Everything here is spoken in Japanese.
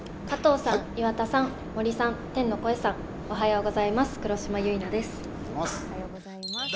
おはようございます。